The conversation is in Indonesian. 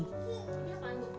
awie dia masih kecil